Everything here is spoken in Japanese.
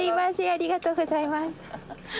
ありがとうございます。